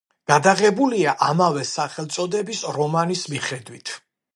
გადაღებულია ამავე სახელწოდების რომანის მიხედვით.